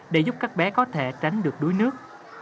để giúp các bé có thể tránh được đuối nước